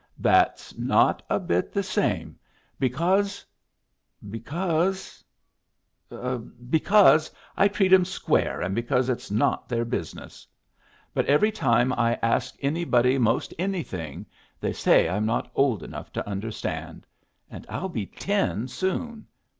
"That's not a bit the same, because because because I treat 'em square and because it's not their business. But every time I ask anybody 'most anything, they say I'm not old enough to understand; and I'll be ten soon.